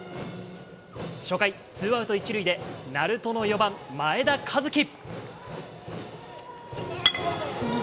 初回、ツーアウト１塁で、鳴門の４番前田一輝。